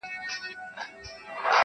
که بارونه په پسونو سي څوک وړلای-